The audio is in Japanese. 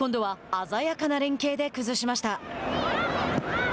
今度は鮮やかな連係で崩しました。